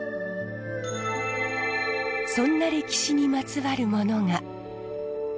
そんな歴史にまつわるものが。